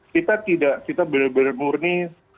kita tidak kita benar benar murni